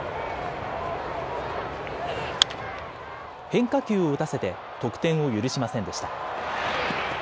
変化球を打たせて得点を許しませんでした。